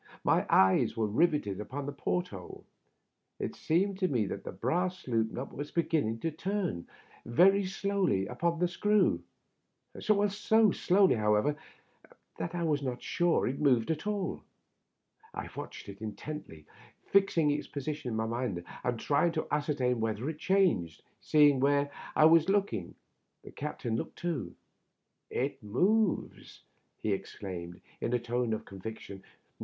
My eyes were riveted upon the port hole. It seemed to me that the brass loop nut was beginning to turn very slowly upon the screw — so slowly, however, that I was not sure it moved at all. I watched it intently, fixing its position in my mind, and trying to ascertain whether it changed. Seeing where I was looking, the captain looked too. " It moves 1 " he exclaimed, in a tone of conviction.